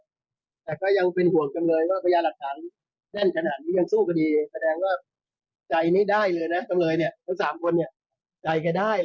สามคนเนี่ยใจกันได้เลย